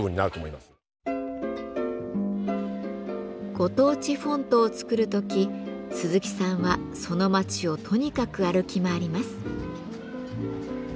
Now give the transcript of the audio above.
ご当地フォントを作る時鈴木さんはその街をとにかく歩き回ります。